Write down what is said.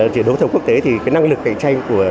chỉ đấu thầu quốc tế thì cái năng lực cạnh tranh của